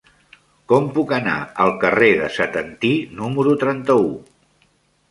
Com puc anar al carrer de Setantí número trenta-u?